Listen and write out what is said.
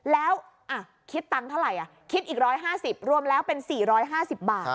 แล้วคิดตังค์เท่าไหร่คิดอีก๑๕๐รวมแล้วเป็น๔๕๐บาท